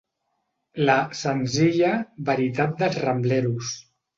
La "senzilla" veritat dels Rambleros.